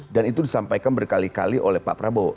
dan itu disampaikan berkali kali oleh presiden jokowi dan pak jokowi